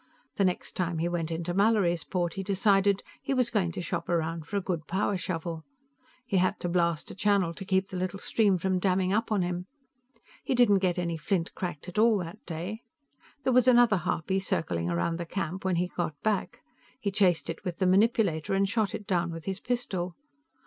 The next time he went into Mallorysport, he decided, he was going to shop around for a good power shovel. He had to blast a channel to keep the little stream from damming up on him. He didn't get any flint cracked at all that day. There was another harpy circling around the camp when he got back; he chased it with the manipulator and shot it down with his pistol.